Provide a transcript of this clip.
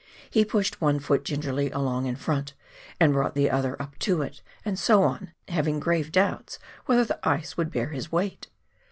He pushed one foot gingerly along in front, and brought the other up to it, and so on, having grave doubts whether the ice would bear his weight